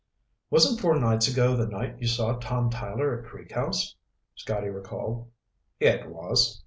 "Wasn't four nights ago the night you saw Tom Tyler at Creek House?" Scotty recalled. "It was.